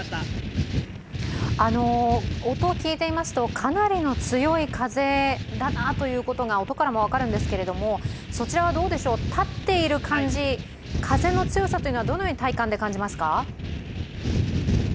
音を聞いていますとかなりの強い風だなということが音からも分かるんですけどそちらはどうでしょう、立っている感じ、どのように体感で感じますか？